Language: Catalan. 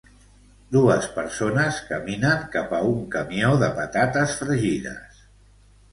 Dues persones caminen cap a un camió de patates fregides.